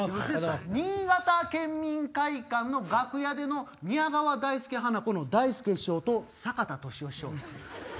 新潟県民会館の楽屋での宮川大助・花子の大助師匠と坂田利夫師匠。